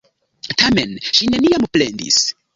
Tamen, ŝi neniam plendis.